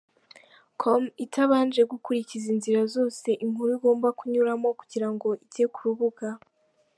com, itabanje gukurikiza inzira zose inkuru igomba kunyuramo kugira ngo ijye ku rubuga.